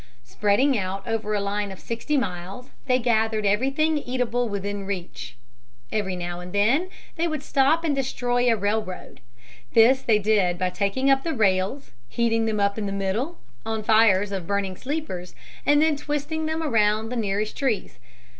Spreading out over a line of sixty miles, they gathered everything eatable within reach. Every now and then they would stop and destroy a railroad. This they did by taking up the rails, heating them in the middle on fires of burning sleepers, and then twisting them around the nearest trees.